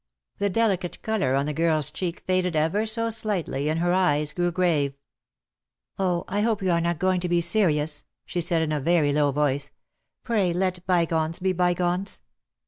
The delicate colour on the girl's cheek faded ever so slightly, and her eyes grew grave. "Oh, I hope you are not going to be serious," she said in a very low voice. "Pray let bygones be bygones."